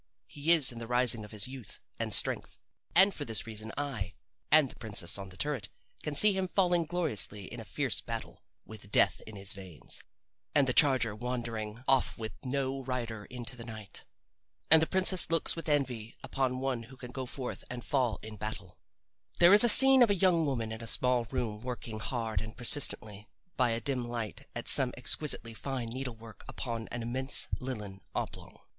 He is in the rising of his youth and strength. And for this reason I and the princess on the turret can see him falling gloriously in a fierce battle, with death in his veins, and the charger wandering off with no rider into the night. And the princess looks with envy upon one who can go forth and fall in battle. There is a scene of a young woman in a small room working hard and persistently by a dim light at some exquisitely fine needlework upon an immense linen oblong.